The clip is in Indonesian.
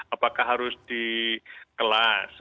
apakah harus di kelas